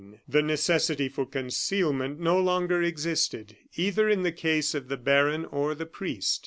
The necessity for concealment no longer existed, either in the case of the baron or the priest.